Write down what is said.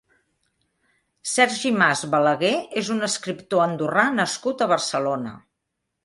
Sergi Mas Balaguer és un escriptor andorrà nascut a Barcelona.